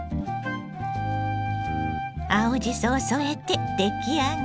青じそを添えて出来上がり。